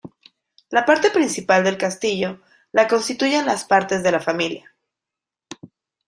La parte principal del castillo la constituyen las partes de la familia.